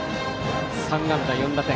３安打４打点。